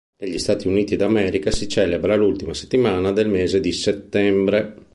Negli Stati Uniti d'America si celebra l'ultima settimana del mese di settembre.